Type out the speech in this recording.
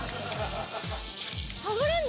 剥がれんの？